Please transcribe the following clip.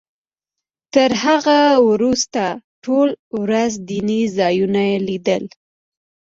تر هغه وروسته ټوله ورځ دیني ځایونه لیدل.